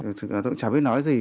tôi cũng chả biết nói gì